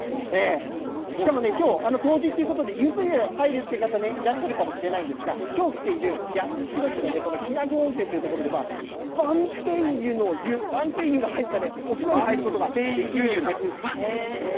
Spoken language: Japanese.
しかもね、きょう、冬至ってことで、ゆず湯入るっていう方、いらっしゃるかもしれないんですが、きょう来ている八代市のね、この日奈久温泉という所では、晩白柚の湯、晩白柚が入ったね、お風呂に入ることができるんです。